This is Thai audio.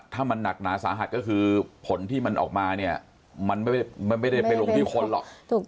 ถ้ามันหนักหนาสาหัสก็คือผลที่มันออกมาเนี่ยมันไม่ได้ไปลงที่คนหรอก